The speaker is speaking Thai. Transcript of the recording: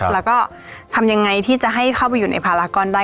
แล้วก็ทำยังไงที่จะให้เข้าไปอยู่ในภารกรได้